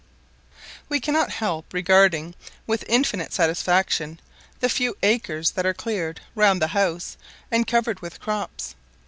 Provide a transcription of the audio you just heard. We cannot help regarding with infinite satisfaction the few acres that are cleared round the house and covered with crops.